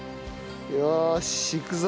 よーしいくぞ！